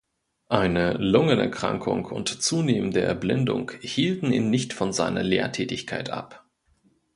Eine Lungenerkrankung und zunehmende Erblindung hielten ihn nicht von seiner Lehrtätigkeit ab.